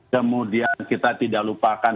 kemudian kita tidak lupakan